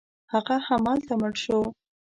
هغه همالته مړ شو.